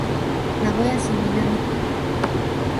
名古屋市南区